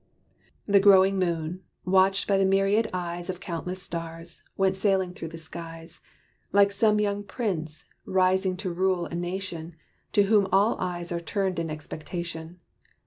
The growing moon, watched by the myriad eyes Of countless stars, went sailing through the skies, Like some young prince, rising to rule a nation, To whom all eyes are turned in expectation.